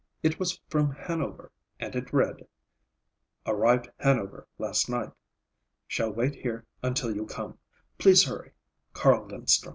It was from Hanover, and it read:— Arrived Hanover last night. Shall wait here until you come. Please hurry. CARL LINSTRUM.